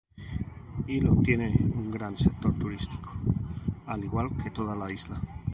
Hilo tiene un gran sector turístico, al igual que toda la isla.